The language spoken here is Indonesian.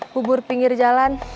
bubur pinggir jalan